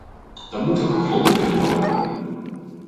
Dat moet toch gevonden kunnen worden?